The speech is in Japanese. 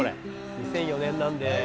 ２００４年なんで。